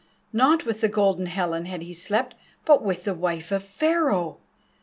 Not with the Golden Helen had he slept, but with the wife of Pharaoh!